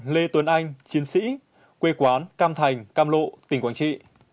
một mươi năm lê tuấn anh chiến sĩ quê quán cam thành cam lộ tỉnh quảng trị